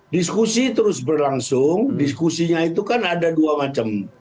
diskusi terus berlangsung diskusinya itu kan ada dua macam